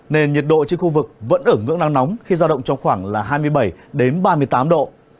nên nhiệt độ trên khu vực vẫn ở ngưỡng nắng nóng khi giao động trong khoảng là hai mươi bảy ba mươi tám độ